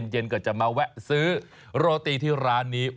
เย็นก็จะมาแวะซื้อโรตีที่ร้านนี้